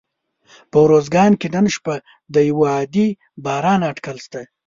په اروزګان کي نن شپه د یوه عادي باران اټکل سته